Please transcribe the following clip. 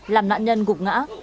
làm nạn nhân gục ngã